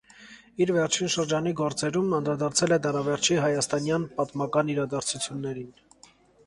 Իր վերջին շրջանի գործերում անդրադարձել է դարավերջի հայաստանյան պատմական իրադարձություններին։